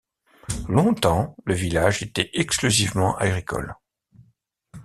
Longtemps, le village était exclusivement agricole.